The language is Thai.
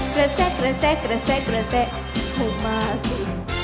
กระแซะกระแซะกระแซะกระแซะเข้ามาสิ